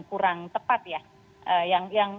kurang tepat ya yang